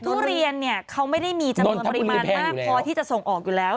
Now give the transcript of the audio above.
ทุเรียนเนี่ยเขาไม่ได้มีจำนวนปริมาณมากพอที่จะส่งออกอยู่แล้ว